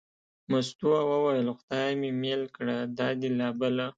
مستو وویل: خدای مې مېل کړه دا دې لا بله.